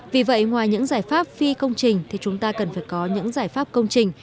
vì vậy ngoài những giải pháp phi công trình thì chúng ta cần phải có những giải pháp công trình